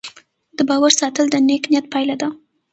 د باور ساتل د نیک نیت پایله ده.